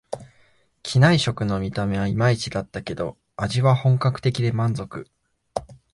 機内食の見た目はいまいちだったけど、味は本格的で満足